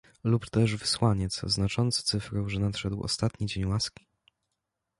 "Lub też wysłaniec, znaczący cyfrą, że nadszedł ostatni dzień łaski?"